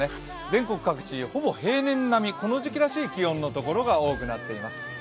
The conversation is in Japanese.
全国各地、ほぼ平年並み、この時期らしい気温の所が多くなっています。